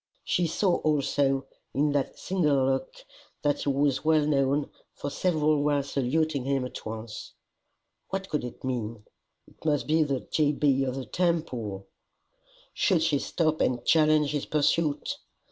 She saw also, in that single look, that he was well known, for several were saluting him at once. What could it mean? It must be the G. B. of the Temple! Should she stop and challenge his pursuit?